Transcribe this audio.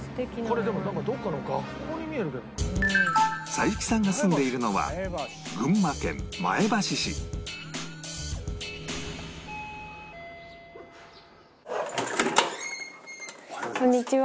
桜雪さんが住んでいるのはこんにちは。